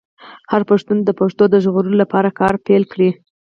هر پښتون دې د پښتو د ژغورلو لپاره کار پیل کړي.